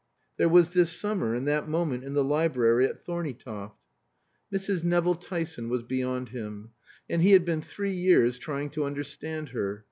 There was this summer, and that moment in the library at Thorneytoft Mrs. Nevill Tyson was beyond him. And he had been three years trying to understand her.